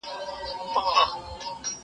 زه مخکي بازار ته تللی و!.